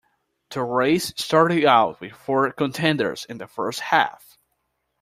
The race started out with four contenders in the first half.